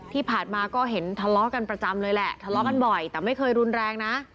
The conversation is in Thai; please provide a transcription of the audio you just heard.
ที่ผ่านมาก็เห็นทะเลาะกันประจำเลยแหละทะเลาะกันบ่อยแต่ไม่เคยรุนแรงนะ